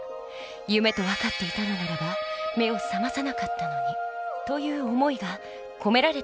夢と分かっていたのならば目を覚まさなかったのに」という思いが込められているのです。